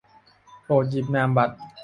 โปรดหยิบนามบัตร